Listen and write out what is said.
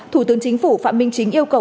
thủ tướng chính phủ phạm minh chính yêu cầu